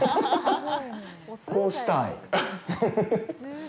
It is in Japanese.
こうしたい。